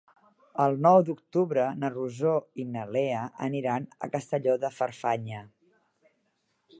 El nou d'octubre na Rosó i na Lea aniran a Castelló de Farfanya.